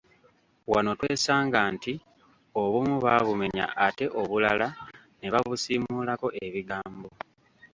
Wano twesanga nti obumu baabumenya ate obulala ne babusiimulako ebigambo.